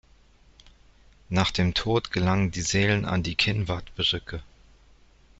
Nach dem Tod gelangen die Seelen an die "Činvat-Brücke".